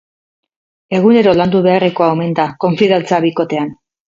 Egunero landu beharrekoa omen da konfidantza bikotean.